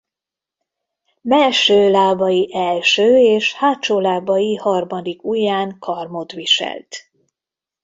Mellső lábai első és hátsó lábai harmadik ujján karmot viselt.